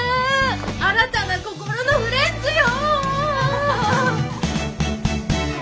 新たな心のフレンズよ。